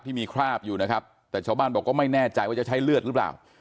ที่มีคราบอยู่นะครับแต่ชาวบ้านบอกก็ไม่แน่ใจว่าจะใช้เลือดหรือเปล่า